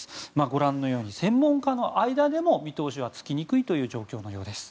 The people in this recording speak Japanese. ご覧のように専門家の間でも見通しはつきにくいという状況のようです。